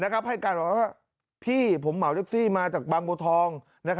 ให้การบอกว่าพี่ผมเหมาแท็กซี่มาจากบางบัวทอง